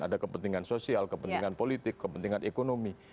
ada kepentingan sosial kepentingan politik kepentingan ekonomi